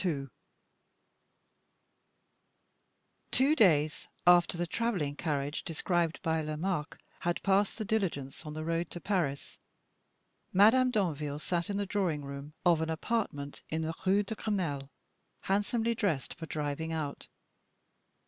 Two days after the traveling carriage described by Lomaque had passed the diligence on the road to Paris, Madame Danville sat in the drawing room of an apartment in the Rue de Grenelle, handsomely dressed for driving out.